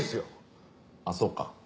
あっそっか。